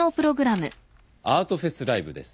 アートフェスライブです。